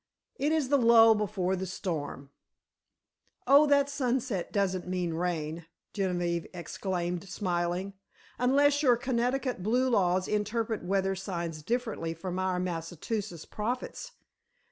"It is the lull before the storm." "Oh, that sunset doesn't mean rain," Genevieve exclaimed, smiling, "unless your Connecticut blue laws interpret weather signs differently from our Massachusetts prophets.